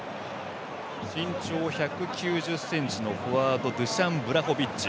身長１９０ｃｍのフォワードドゥシャン・ブラホビッチ。